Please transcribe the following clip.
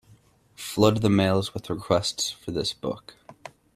Flood the mails with requests for this book.